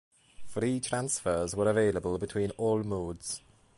Free transfers were available between all modes.